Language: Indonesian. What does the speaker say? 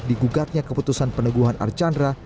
digugatnya keputusan peneguhan archandra